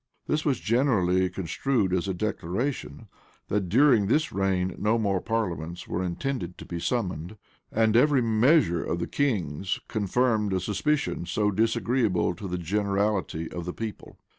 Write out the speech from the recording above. This was generally construed as a declaration, that during this reign no more parliaments were intended to be summoned.[*] And every measure of the king's confirmed a suspicion so disagreeable to the generality of the people.